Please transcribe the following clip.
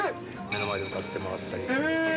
目の前で歌ってもらったり。